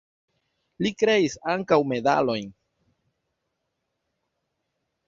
Li kreis ankaŭ medalojn.